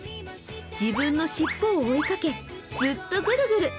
自分の尻尾を追いかけずっとぐるぐる。